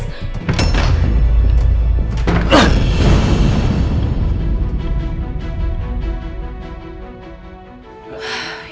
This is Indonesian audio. mana hape aku ketinggalan aja di tas